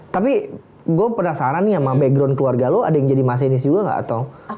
tapi gue penasaran nih sama background keluarga lo ada yang jadi masinis juga gak atau